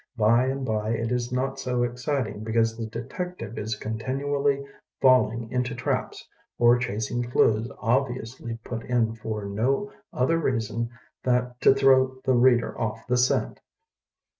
By and by it is not so exciting because the detective is continually falling into traps or chas ing clues obviously put in for no other reason that to throw the reader off the scent.